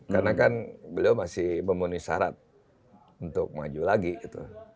karena kan beliau masih memenuhi syarat untuk maju lagi gitu